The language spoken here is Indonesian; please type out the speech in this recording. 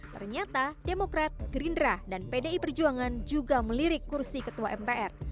ternyata demokrat gerindra dan pdi perjuangan juga melirik kursi ketua mpr